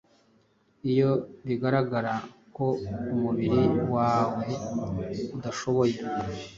iyo bigaragara ko umubiri wawe udashoboye